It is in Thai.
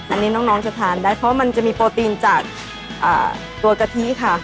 อันนี้น้องจะทานได้เพราะมันจะมีโปรตีนจากตัวกะทิค่ะ